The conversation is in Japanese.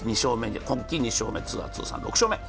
今季２勝目、ツアー通算６勝目。